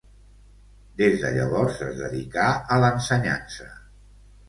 Des de llavors es dedicà a l'ensenyança.